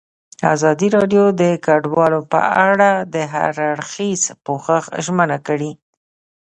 ازادي راډیو د کډوال په اړه د هر اړخیز پوښښ ژمنه کړې.